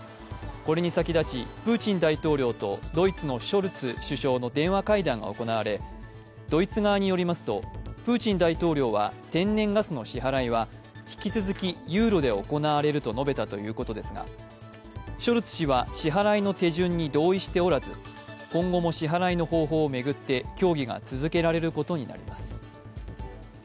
これに先立ちプーチン大統領とドイツのショルツ首相の電話会談が行われドイツ側によりますと、プーチン大統領は天然ガスの支払いは引き続き、ユ−ロで行われると述べたということですが、ショルツ氏は支払いの手順に同意しておらず、今後も支払いの方法を巡って協議が続けられることになります。